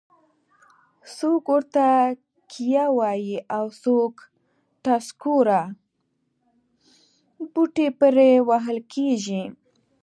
څوک ورته کیه وایي او څوک ټسکوره. بوټي پرې وهل کېږي.